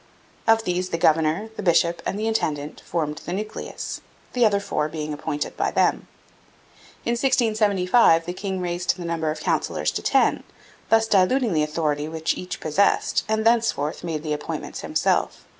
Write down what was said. Of these the governor, the bishop, and the intendant formed the nucleus, the other four being appointed by them. In 1675 the king raised the number of councillors to ten, thus diluting the authority which each possessed, and thenceforth made the appointments himself.